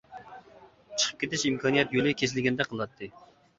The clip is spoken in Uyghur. چىقىپ كېتىش ئىمكانىيەت يولى كېسىلگەندەك قىلاتتى.